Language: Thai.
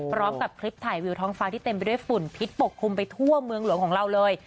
พร้อมกับคลิปถ่ายวิวท้องฟ้าที่เต็มไปด้วยฝุ่นพิษปกคลุมไปทั่วเมืองหลวงของเราเลย